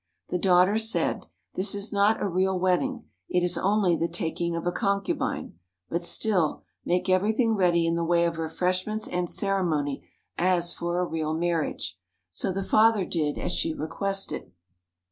The daughter said, "This is not a real wedding; it is only the taking of a concubine, but still, make everything ready in the way of refreshments and ceremony as for a real marriage." So the father did as she requested.